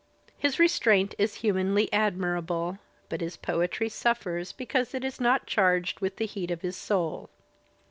His restraint is humanly admirable, but his poetiy suffers because it is not charged with the heat of his soul.